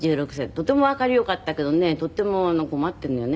とてもわかりよかったけどねとても困っているのよね